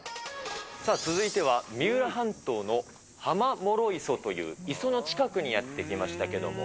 続いては三浦半島の浜諸磯という磯の近くにやって来ましたけども。